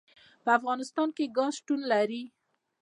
په افغانستان کې ګاز شتون لري.